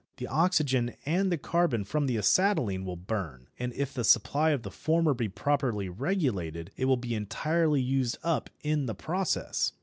The oxygen and the carbon from the acetylene will burn, and if the supply of the former be properly regulated it will be entirely used up in the process.